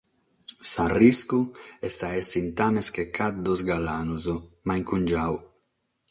S’arriscu est a èssere in tames che caddos galanos, ma in cungiadu.